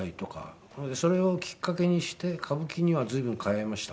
それをきっかけにして歌舞伎には随分通いました。